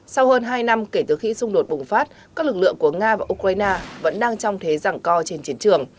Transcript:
sau hơn hai năm kể từ khi xung đột bùng phát các lực lượng của nga và ukraine vẫn đang trong thế rẳng co trên chiến trường